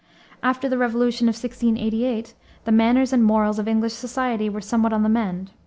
After the Revolution of 1688 the manners and morals of English society were somewhat on the mend.